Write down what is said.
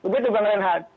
begitu bang renhad